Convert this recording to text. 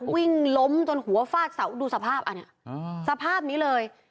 ล้มจนหัวฟาดเสาดูสภาพอันนี้สภาพนี้เลย